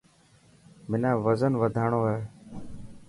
منا وزن وڌاڻو هي.